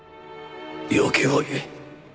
要求を言え。